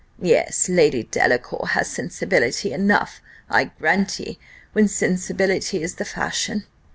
Yes; Lady Delacour has sensibility enough, I grant ye, when sensibility is the fashion.